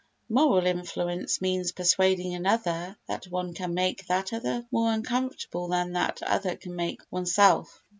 Moral influence means persuading another that one can make that other more uncomfortable than that other can make oneself.